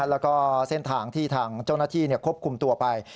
แล้วก็เส้นทางที่ทางเจ้าหน้าที่ควบคุมตัวไป